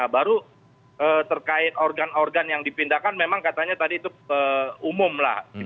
baru terkait organ organ yang dipindahkan memang katanya tadi itu umum lah